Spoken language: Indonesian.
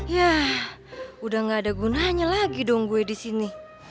ya udah gak ada gunanya lagi dong gue di sini